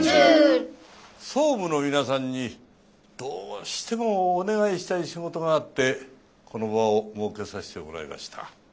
総務の皆さんにどうしてもお願いしたい仕事があってこの場を設けさせてもらいました。